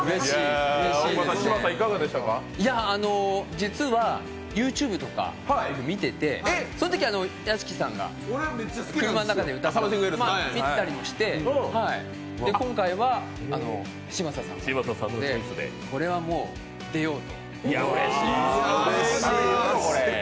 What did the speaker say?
実は、ＹｏｕＴｕｂｅとか見ててそのとき、屋敷さんが車の中で歌っているのを見てたりして今回は嶋佐さんが。これはもう出ようと。